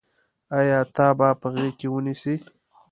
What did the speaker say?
آیا تا به په غېږ کې ونیسي.